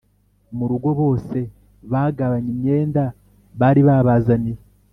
murugo bose bagabanye imyenda bari babazaniye